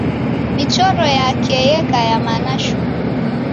Michoro yake yeka ya mana shuu.